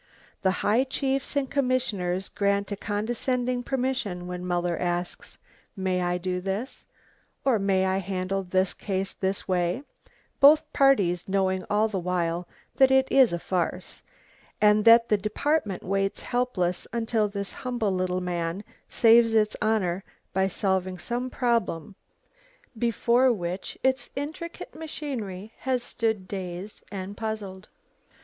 The high chiefs and commissioners grant a condescending permission when Muller asks, "May I do this? ... or may I handle this case this way?" both parties knowing all the while that it is a farce, and that the department waits helpless until this humble little man saves its honour by solving some problem before which its intricate machinery has stood dazed and puzzled.